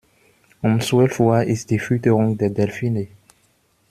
Um zwölf Uhr ist die Fütterung der Delfine.